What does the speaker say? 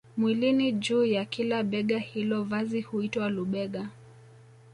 mwilini juu ya kila bega hilo vazi huitwa lubega